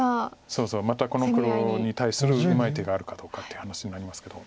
そうそうまたこの黒に対するうまい手があるかどうかという話になりますけど。